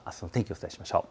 お伝えしましょう。